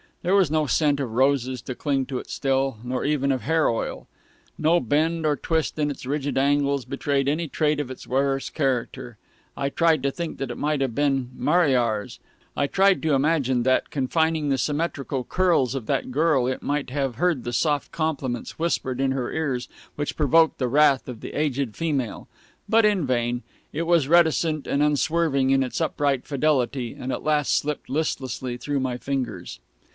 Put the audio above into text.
There was no scent of the roses to cling to it still, not even of hair oil. No bend or twist in its rigid angles betrayed any trait of its wearer's character. I tried to think that it might have been "Mariar's." I tried to imagine that, confining the symmetrical curls of that girl, it might have heard the soft compliments whispered in her ears which provoked the wrath of the aged female. But in vain. It was reticent and unswerving in its upright fidelity, and at last slipped listlessly through my fingers.